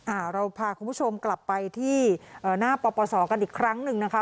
อ่าเราพาคุณผู้ชมกลับไปที่เอ่อหน้าปปศกันอีกครั้งหนึ่งนะคะ